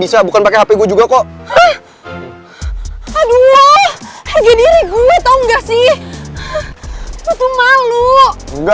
sampai jumpa di video selanjutnya